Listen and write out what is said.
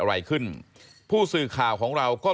ถ้าเขาถูกจับคุณอย่าลืม